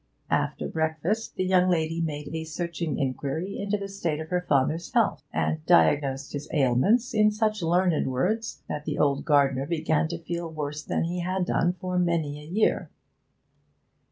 After breakfast the young lady made a searching inquiry into the state of her father's health, and diagnosed his ailments in such learned words that the old gardener began to feel worse than he had done for many a year.